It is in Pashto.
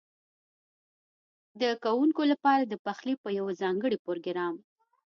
ده کوونکو لپاره د پخلي په یوه ځانګړي پروګرام